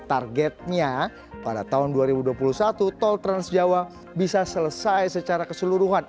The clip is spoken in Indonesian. targetnya pada tahun dua ribu dua puluh satu tol transjawa bisa selesai secara keseluruhan